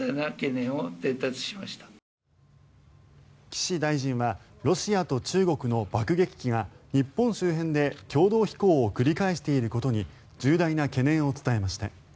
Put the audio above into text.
岸大臣はロシアと中国の爆撃機が日本周辺で共同飛行を繰り返していることに重大な懸念を伝えました。